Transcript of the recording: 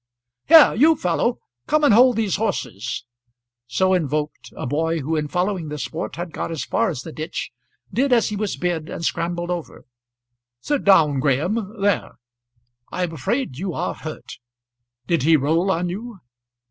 "Here, you fellow, come and hold these horses." So invoked, a boy who in following the sport had got as far as this ditch did as he was bid, and scrambled over. "Sit down, Graham: there; I'm afraid you are hurt. Did he roll on you?"